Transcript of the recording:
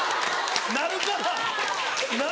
なるかな？